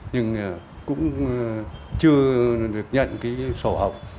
nhưng cũng chưa được nhận cái sổ học